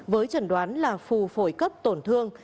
với chẩn đoán là phù phổi cấp tổn thương